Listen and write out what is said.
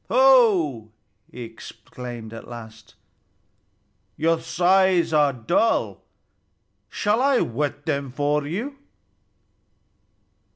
"Ho!" he exclaimed at last, "your scythes are dull. Shall I whet them for you?"